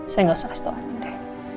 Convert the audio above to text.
saya nggak usah kasih tau andin